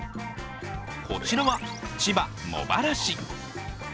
こちらは千葉・茂原市。